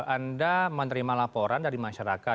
anda menerima laporan dari masyarakat